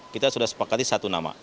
kita sudah sepakat